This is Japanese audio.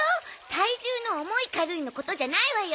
体重の重い軽いのことじゃないわよ。